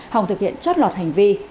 hòng thực hiện chất lọt hành vi